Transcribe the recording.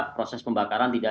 mengunjungi link tadi